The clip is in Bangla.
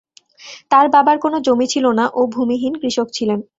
তার বাবার কোন জমি ছিল না ও ভূমিহীন কৃষক ছিলেন।